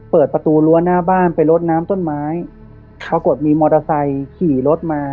เปิดประตูรั้วหน้าบ้านไปลดน้ำต้นไม้ปรากฏมีมอเตอร์ไซค์ขี่รถมา